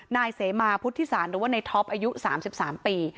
นายเสมาพุทธศาลหรือว่าในท็อปอายุ๓๓ปี